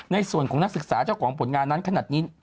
ในส่วนของนักศึกษาเจ้าของผลงานนั้นขนาดนี้